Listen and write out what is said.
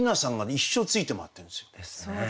一生ついて回ってるんですよ。